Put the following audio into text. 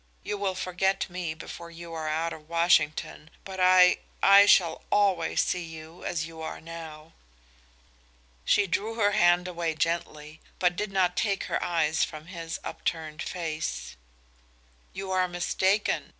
You will forget me before you are out of Washington, but I I shall always see you as you are now." She drew her hand away gently, but did not take her eyes from his upturned face. "You are mistaken.